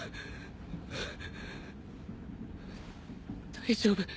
大丈夫。